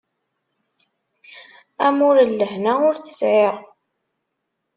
Amur n lehna ur t-sεiɣ.